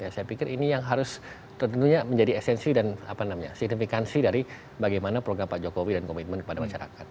saya pikir ini yang harus tentunya menjadi esensi dan signifikansi dari bagaimana program pak jokowi dan komitmen kepada masyarakat